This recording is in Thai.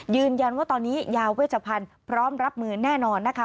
ยืนยันว่าตอนนี้ยาเวชพันธุ์พร้อมรับมือแน่นอนนะคะ